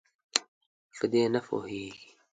په دې نه پوهیږي.